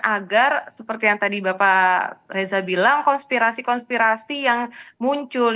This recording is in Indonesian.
agar seperti yang tadi bapak reza bilang konspirasi konspirasi yang muncul